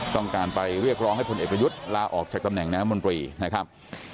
ต้องการไปเรียกร้องให้พลเอกประยุทธ์ลาออกจากตำแหน่งน้ำมนตรีนะครับ